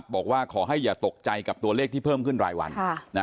บอกว่าขอให้อย่าตกใจกับตัวเลขที่เพิ่มขึ้นรายวัน